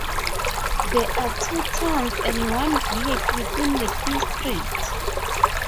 There are two towns and one village within the district.